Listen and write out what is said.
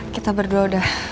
kita berdua udah